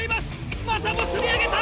またも釣り上げた！